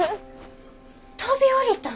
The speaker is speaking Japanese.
飛び降りたん！？